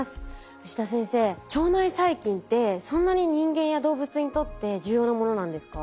牛田先生腸内細菌ってそんなに人間や動物にとって重要なものなんですか？